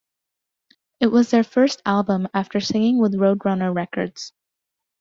It was their first album after signing with Roadrunner Records.